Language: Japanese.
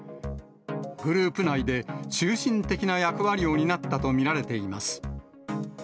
グループ内で、中心的な役割を担ったと見られています。